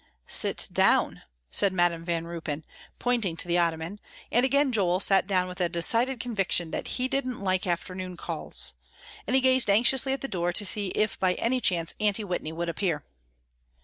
"Sit down," said Madam Van Ruypen, pointing to the ottoman, and again Joel sat down with a decided conviction that he didn't like afternoon calls; and he gazed anxiously at the door to see if by any chance Aunty Whitney would appear.